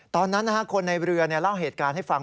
ตอนนั้นคนในเรือเล่าเหตุการณ์ให้ฟัง